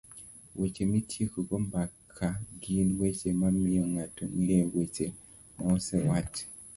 Weche mitiekogo mbaka gin weche mamiyo ng'ato ng'eyo weche maosewach